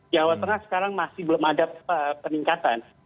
jawa tengah sekarang masih belum ada peningkatan